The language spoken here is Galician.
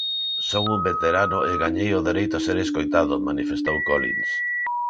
Son un veterano e gañei o dereito a ser escoitado manifestou Collins.